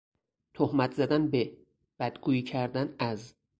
تهمت زدن به، بدگویی کردن از...